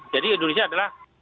jadi indonesia adalah